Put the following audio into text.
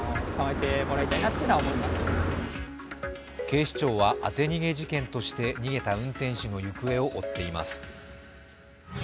警視庁は当て逃げ事件として逃げた運転手の行方を追っています。